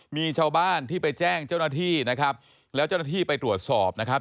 มีชาวบ้านที่ไปแจ้งเจ้าหน้าที่นะครับแล้วเจ้าหน้าที่ไปตรวจสอบนะครับ